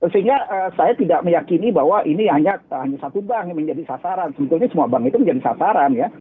sehingga saya tidak meyakini bahwa ini hanya satu bank yang menjadi sasaran sebetulnya semua bank itu menjadi sasaran ya